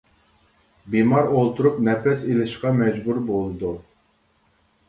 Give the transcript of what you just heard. بىمار ئولتۇرۇپ نەپەس ئېلىشقا مەجبۇر بولىدۇ.